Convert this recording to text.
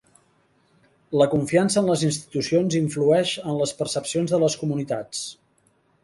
"La confiança en les institucions influeix en les percepcions de les comunitats".